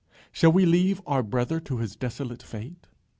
Shall we leave our brother to his desolate fate?